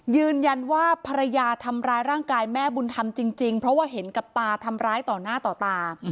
ยืนยันว่าภรรยาทำร้ายร่างกายแม่บุญธรรมจริงเพราะว่าเห็นกับตาทำร้ายต่อหน้าต่อตา